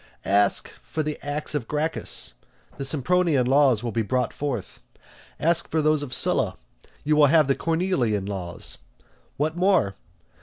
Ask for the acts of Gracchus, the Sempronian laws will be brought forward; ask for those of Sylla, you will have the Cornelian laws. What more?